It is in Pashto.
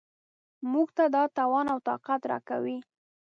موږ ته دا توان او طاقت راکوي.